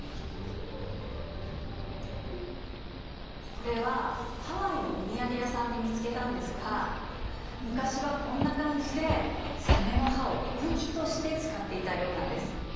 これはハワイのお土産屋さんで見つけたんですが昔はこんな感じでサメの歯を武器として使っていたようなんです。